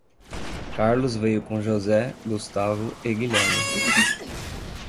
Carlos veio com José, Gustavo e Guilherme.